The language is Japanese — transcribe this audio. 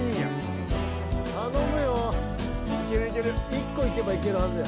１個いけばいけるはずや。